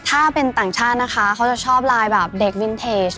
ถ้าเป็นต่างชาตินะคะเขาจะชอบไลน์แบบเด็กวินเทจ